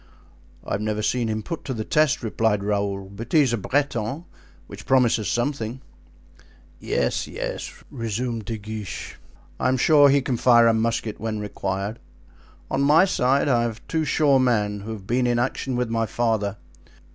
"I have never seen him put to the test," replied Raoul, "but he is a Breton, which promises something." "Yes, yes," resumed De Guiche; "I am sure he can fire a musket when required. On my side I have two sure men, who have been in action with my father.